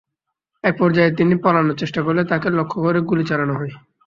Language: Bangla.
একপর্যায়ে তিনি পালানোর চেষ্টা করলে তাঁকে লক্ষ্য করে গুলি চালানো হয়।